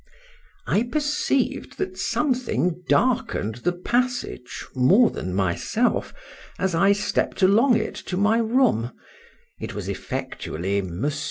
I PERCEIVED that something darken'd the passage more than myself, as I stepp'd along it to my room; it was effectually Mons.